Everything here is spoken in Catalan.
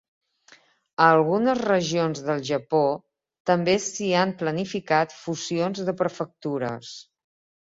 A algunes regions del Japó també s'hi han planificat fusions de prefectures.